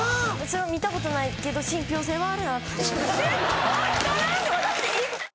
見たことないけど信ぴょう性はあるなって思う。